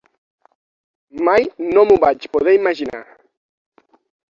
Mai no m'ho vaig poder imaginar.